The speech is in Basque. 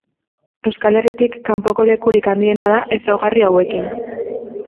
Euskal Herritik kanpoko lekurik handiena da ezaugarri hauekin.